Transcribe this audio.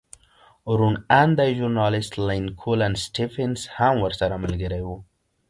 روڼ اندی ژورنالېست لینکولن سټېفنس هم ورسره ملګری و